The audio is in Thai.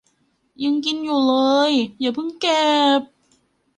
ยังกินอยู่เลย อย่าเพิ่งเก็บ